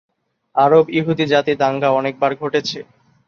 আরব-ইহুদি জাতি দাঙ্গা অনেকবার ঘটেছে।